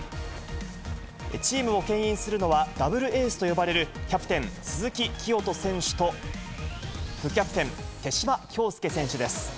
チームをけん引するのは、ダブルエースと呼ばれるキャプテン、鈴木聖人選手と、副キャプテン、手嶋杏丞選手です。